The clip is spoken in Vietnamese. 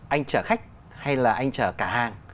anh chở khách hay là anh chở cả hàng